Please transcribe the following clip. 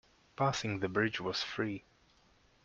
Passing the bridge was free.